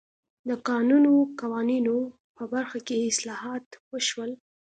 د کانونو قوانینو په برخه کې اصلاحات وشول.